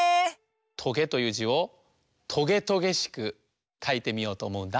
「とげ」という「じ」をとげとげしくかいてみようとおもうんだ。